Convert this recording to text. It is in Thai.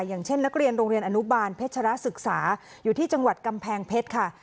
อย่างเช่นนักเรียนโรงเรียนอนุบาลเพชรศึกษาอยู่ที่จังหวัดกำแพงเพชรค่ะ